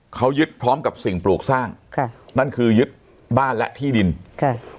เขายึดพร้อมกับสิ่งปลูกสร้างค่ะนั่นคือยึดบ้านและที่ดินค่ะ